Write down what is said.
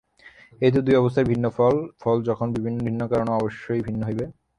এই তো দুই অবস্থার বিভিন্ন ফল! ফল যখন ভিন্ন কারণও অবশ্যই ভিন্ন হইবে।